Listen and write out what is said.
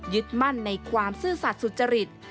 มั่นในความซื่อสัตว์สุจริต